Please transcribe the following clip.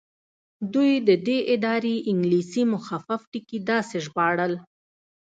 دوی د دې ادارې انګلیسي مخفف ټکي داسې ژباړل.